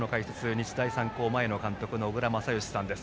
日大三高前の監督の小倉全由さんです。